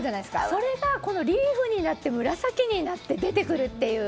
それがリーフになって紫になって出てくるっていう。